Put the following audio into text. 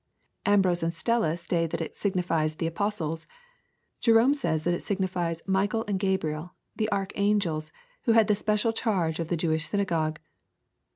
— Ambrose and Stella say that it signifies the "apostles." Jerome says that it signifies '* Michael and Gkibriel/* the archangels, who had the special charge of the Jewish synagogue.